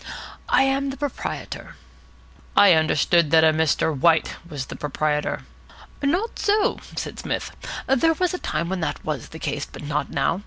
"I am the proprietor." "I understood that a Mr. White was the proprietor." "Not so," said Psmith. "There was a time when that was the case, but not now.